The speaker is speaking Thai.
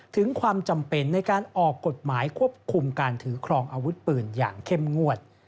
ถึงความจำเป็นในการออกกฎหมายควบคุมการถือครองอาวุธปืนอย่างเข้มงวด